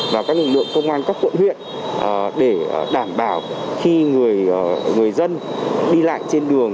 và các lực lượng công an các quận huyện để đảm bảo khi người dân đi lại trên đường